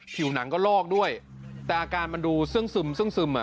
ผิวหนังก็ลอกด้วยแต่อาการมันดูเสื้องซึมซึ่งซึมอ่ะ